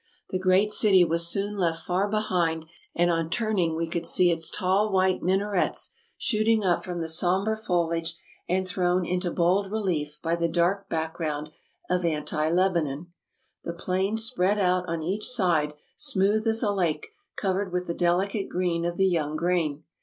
The great city was soon left far behind, and on turning we could see its tall white minarets shooting up ASIA 265 from the somber foliage and thrown into bold relief by the dark background of Anti Lebanon. The plain spread out on each side, smooth as a lake, covered with the delicate green of the young grain.